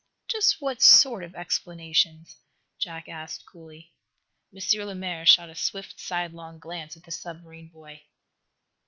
"Just what sort of explanations?" Jack asked, coolly. M. Lemaire shot a swift, sidelong glance at the submarine boy.